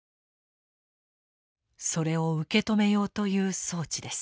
それを受け止めようという装置です。